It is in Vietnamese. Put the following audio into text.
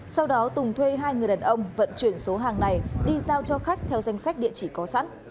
sau đó tùng thuê hai người đàn ông vận chuyển số hàng này đi giao cho khách theo danh sách địa chỉ có sẵn